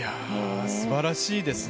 すばらしいですね